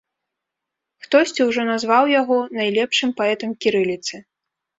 Хтосьці ўжо назваў яго найлепшым паэтам кірыліцы.